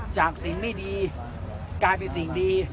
สิ่งไม่ดีกลายเป็นสิ่งดี